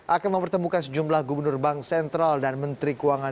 akan mempertemukan sejumlah gubernur bank sentral dan menteri keuangan